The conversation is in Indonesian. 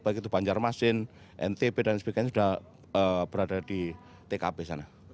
baik itu banjarmasin ntb dan sebagainya sudah berada di tkp sana